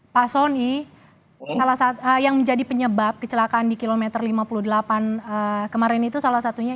pak soni yang menjadi penyebab kecelakaan di kilometer lima puluh delapan kemarin itu salah satunya